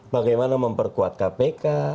bagaimana memperkuat kpk